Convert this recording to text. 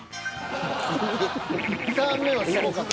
１ターン目はすごかった。